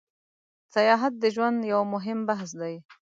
سیاحت د ژوند یو موهیم بحث ده